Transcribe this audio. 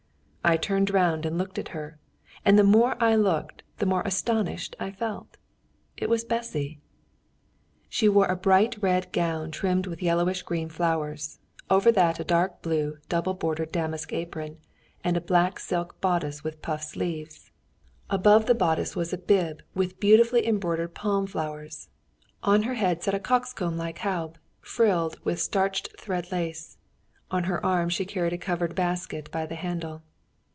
I turned round and looked at her, and the more I looked, the more astonished I felt. It was Bessy! She wore a bright red gown trimmed with yellowish green flowers, over that a dark blue, double bordered damask apron, and a black silk bodice with puff sleeves. Above the bodice was a bib with beautifully embroidered palm flowers; on her head sat a cockscomb like Haube, frilled with starched thread lace; on her arm she carried a covered basket by the handle.